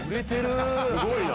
すごいな。